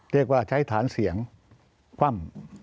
เรียกว่าใช้ฐานเสียงคว่ำ